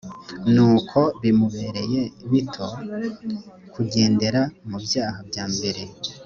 nuko bimubereye bito kugendera mu byaha byambere